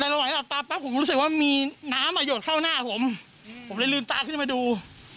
แต่ระหว่างหลับตาปั๊บผมก็รู้สึกว่ามีน้ำอ่ะหยดเข้าหน้าผมผมเลยลืมตาขึ้นมาดู